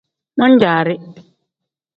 Man-jaari.